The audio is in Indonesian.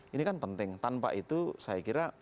ini kan penting tanpa itu saya kira